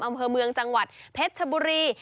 อำเภอเมืองจังหวัดเพชรชบุรี